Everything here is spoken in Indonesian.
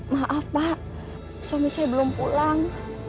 maaf pak suami saya belum pulang